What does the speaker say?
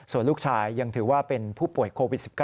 ส่วนลูกชายยังถือว่าเป็นผู้ป่วยโควิด๑๙